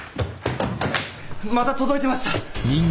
また届いてました。